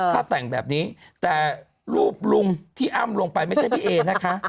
ถ้าแต่งแบบนี้แต่รูปลุงที่อ้ำลงไปไม่ใช่พี่เอนะคะ